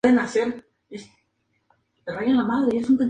Allí las tropas fueron equipadas para operar en las montañas orientales.